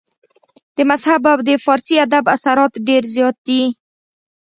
د مذهب او د فارسي ادب اثرات ډېر زيات دي